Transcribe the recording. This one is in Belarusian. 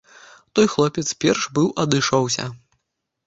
Той хлопец перш быў адышоўся.